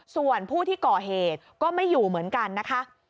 ส่วนผู้ที่ก่อเหตุก็ไม่อยู่เหมือนกันนะคะ